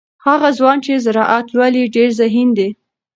هغه ځوان چې زراعت لولي ډیر ذهین دی.